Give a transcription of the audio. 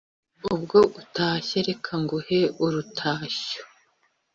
ubwo utashye reka nguhe urutashyo